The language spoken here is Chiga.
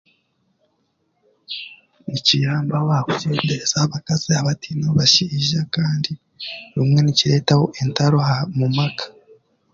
Nikiyambaho aha kukyendeeza aha bakazi abataine bashaija, kandi bumwe nikireetaho entaro ha mu maka.